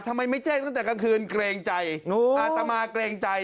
ไม่แจ้งตั้งแต่กลางคืนเกรงใจอาตมาเกรงใจ